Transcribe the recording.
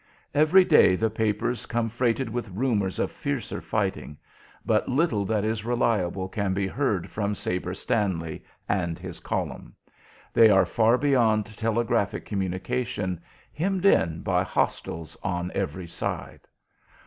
Every day the papers come freighted with rumors of fiercer fighting; but little that is reliable can be heard from "Sabre Stanley" and his column. They are far beyond telegraphic communication, hemmed in by "hostiles" on every side.